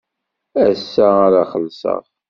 Ass-a ara xellṣeɣ.